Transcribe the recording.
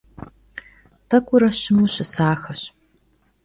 T'ek'ure şımu şısaxeş.